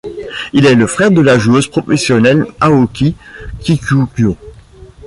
Il est le frère de la joueuse professionnel Aoki Kikuyo.